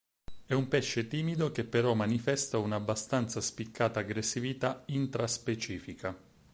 È un pesce timido che però manifesta un'abbastanza spiccata aggressività intraspecifica.